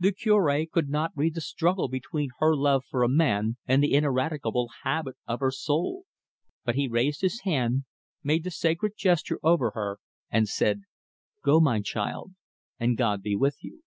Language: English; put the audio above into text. The Cure could not read the struggle between her love for a man and the ineradicable habit of her soul; but he raised his hand, made the sacred gesture over leer, and said: "Go, my child, and God be with you."